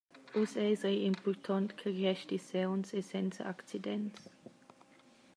Uss eis ei impurtont ch’el resti sauns e senza accidents.